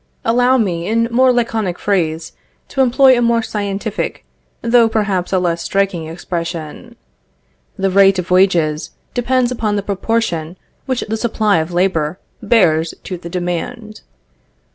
Allow me, in more laconic phrase, to employ a more scientific, though perhaps a less striking expression: "The rate of wages depends upon the proportion which the supply of labor bears to the demand."